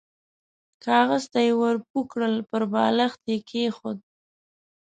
کاغذ ته يې ور پوه کړل، پر بالښت يې کېښود.